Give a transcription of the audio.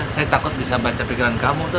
saya takut bisa baca pikiran kamu tuh